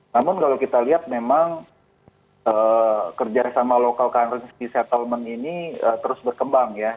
namun kalau kita lihat memang kerjasama local currency settlement ini terus berkembang ya